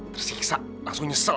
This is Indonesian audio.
tersiksa langsung nyesel